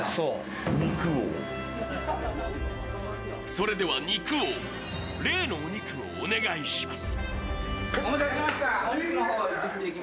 それでは肉王、例のお肉をお願いします。